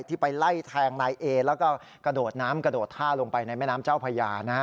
ไปไล่แทงนายเอแล้วก็กระโดดน้ำกระโดดท่าลงไปในแม่น้ำเจ้าพญานะฮะ